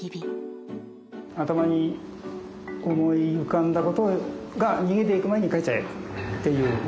頭に思い浮かんだことが逃げていく前に書いちゃえっていう。